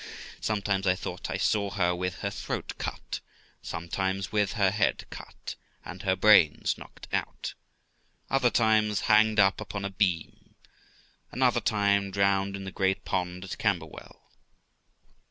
Sometimes I thought I saw her with her throat cut; sometimes with her head cut, and her brains knocked out; other times hanged up npon a beam; another time drowned in the great pond at Camberwell.